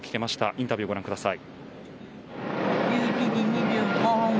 インタビューをご覧ください。